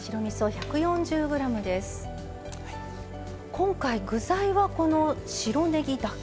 今回具材はこの白ねぎだけ。